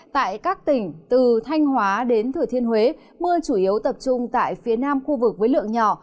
tại các tỉnh từ thanh hóa đến thừa thiên huế mưa chủ yếu tập trung tại phía nam khu vực với lượng nhỏ